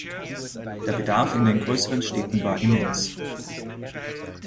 Der Bedarf in den größeren Städten war immens.